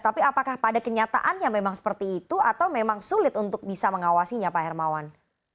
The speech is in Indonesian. tapi apakah pada kenyataannya memang seperti itu atau memang sulit untuk bisa mengawasinya pak hermawan